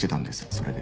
それで。